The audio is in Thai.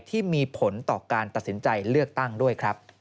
ที่มีผลต่อการตัดสินใจเลือกตั้งด้วยครับ